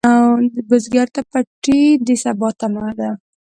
بزګر ته پټی د سبا تمه ده